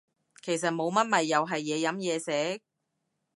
其實冇乜咪又係嘢飲嘢食